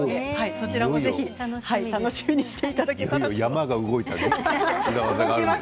そちらも、ぜひ楽しみにしていただけたらと思います。